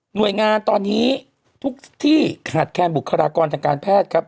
หน่วยงานตอนนี้ทุกที่ขาดแคลนบุคลากรทางการแพทย์ครับ